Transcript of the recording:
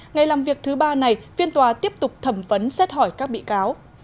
ngày làm việc thứ ba này phiên tòa tiếp tục thẩm vấn xét hỏi các bị cáo